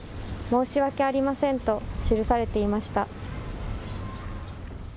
申し訳ありませんと記されていました。